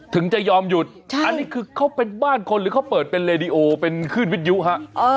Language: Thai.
ถึงจะยอมหยุดอันนี้คือเขาเป็นบ้านคนหรือเขาเปิดเป็นเลดีโอเป็นคลื่นวิทยุฮะ